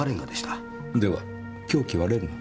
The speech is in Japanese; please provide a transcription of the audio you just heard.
では凶器はレンガ？